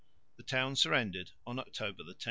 The town surrendered on October 10.